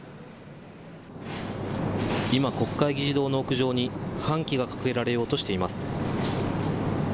今、国会議事堂の屋上に半旗が掲げられようとしています。